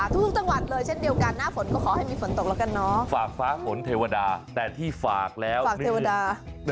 ทุกจังหวัดเลยเช่นเดียวกันหน้าฝนก็ขอให้มีฝนตกแล้วกันเนาะฝากฟ้าฝนเทวดาแต่ที่ฝากแล้วฝากเทวดา